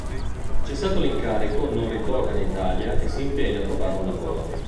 Cessato l'incarico non ritorna in Italia e si impegna a trovare un lavoro.